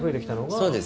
そうです。